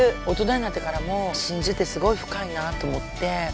大人になってからも真珠ってすごい深いなと思って。